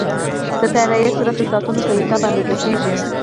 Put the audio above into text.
د طیارې سرعت د ساعتونو په حساب اندازه کېږي.